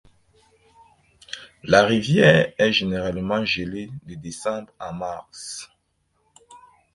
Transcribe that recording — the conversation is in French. La rivière est généralement gelée de décembre à mars.